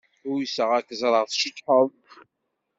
Uyseɣ ad k-ẓreɣ tceṭṭḥeḍ.